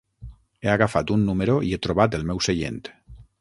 He agafat un número i he trobat el meu seient.